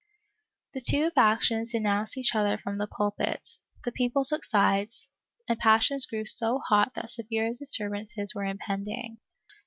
The two factions denounced each other from the pulpits, the people took sides, and passions grew so hot that severe disturbances were impending.